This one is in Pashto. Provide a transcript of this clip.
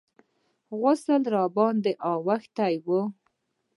غسل راباندې اوښتى و.